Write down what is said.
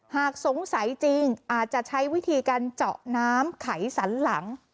หากสงสัยจริงอาจจะใช้วิธีการเจาะน้ำไขสันหลัง